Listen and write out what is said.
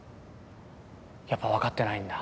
やっぱわかってないんだ。